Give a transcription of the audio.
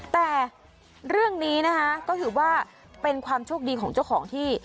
แต่เรื่องนี้นะคะก็ถือว่าเป็นความโชคดีของเจ้าของที่